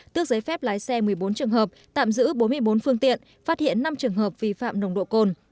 tước giấy phép lái xe một mươi bốn trường hợp tạm giữ bốn mươi bốn phương tiện phát hiện năm trường hợp vi phạm nồng độ cồn